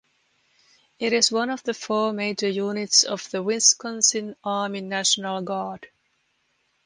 It is one of the four major units of the Wisconsin Army National Guard.